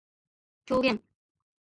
狂言